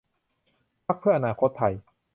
พรรคเพื่ออนาคตไทย